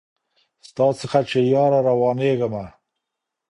ستا څخه چي ياره روانـېــږمه